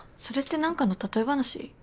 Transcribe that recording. それって何かの例え話？